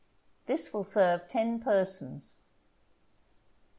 This will serve ten persons.